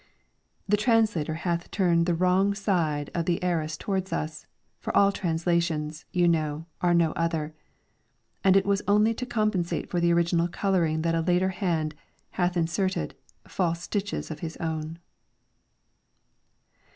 * The translator hath but turned the wrong side of the Arras towards us, for all translations, you know, are no other,"* and it was only to com pensate for the original colouring that a later hand ' hath inserted ... false stitches of his own."